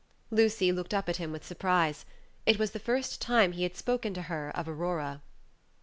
Lucy looked up at him with surprise. It was the first time he had spoken to her of Aurora.